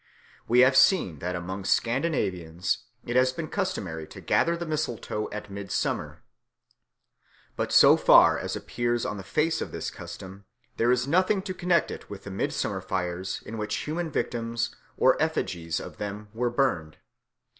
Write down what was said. We have seen that among Scandinavians it has been customary to gather the mistletoe at midsummer. But so far as appears on the face of this custom, there is nothing to connect it with the midsummer fires in which human victims or effigies of them were burned.